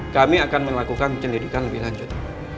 kami akan melakukan penyelidikan lebih lanjut